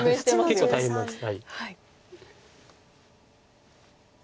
結構大変なんです。